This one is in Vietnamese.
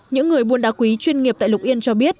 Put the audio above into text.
những người buôn đá quý chuyên nghiệp tại lục yên cho biết